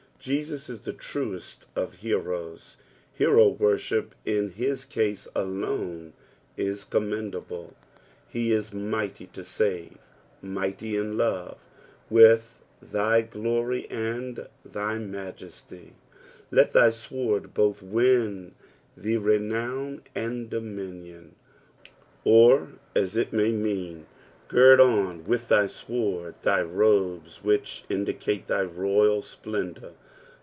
Jesus is the truest of heroes. Hero worship in his case alone is commendnble. He is mighty to save, mighty in love. "WUk CAy glmj/ and thy majesty." Let thy sword both win thee renown and dominion, or as it may mean, gird on with thy sword thy robes which indicate thy royal splendour.